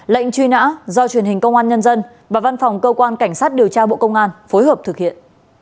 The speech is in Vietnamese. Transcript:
lệnh truy nã do truyền hình công an nhân dân và văn phòng cơ quan cảnh sát điều tra bộ công an phối hợp thực hiện